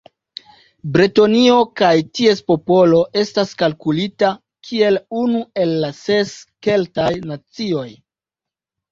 Bretonio kaj ties popolo estas kalkulita kiel unu el la ses Keltaj nacioj.